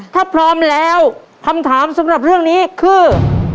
ถ้าพร้อมแล้วคำถามสำหรับเรื่องนี้คือ